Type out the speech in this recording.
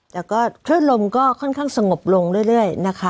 แต่ก็คลื่นลมก็ค่อนข้างสงบลงเรื่อยนะคะ